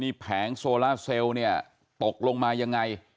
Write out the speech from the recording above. นี่แผงโซร่าเซลล์ตกลงมาอย่างไร